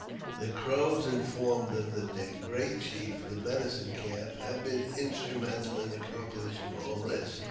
The Crows informed them that their great chief, the Medi * cine Calf, had been instrumental in accomplishing all this.